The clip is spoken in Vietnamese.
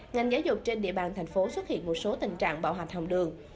ngành giáo dục trên địa bàn tp hcm xuất hiện một số tình trạng bạo hạch hồng đường